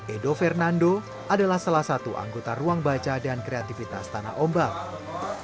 edo fernando adalah salah satu anggota ruang baca dan kreativitas tanah ombak